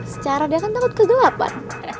secara dia kan takut kegelapan